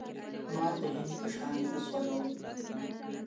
مـا د هـنــدو پــــه شــــانـي وســــوځـوی.